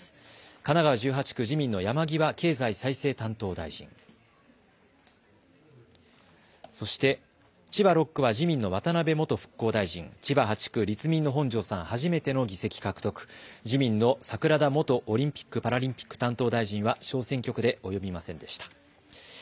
神奈川１８区、自民の山際経済再生担当大臣、そして千葉６区は自民の渡辺元復興大臣、千葉８区、立民の本庄さん、初めての議席獲得、自民の桜田元オリンピック・パラリンピック担当大臣は小選挙区で及びませんでした。